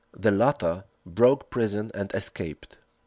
The latter broke prison and escaped.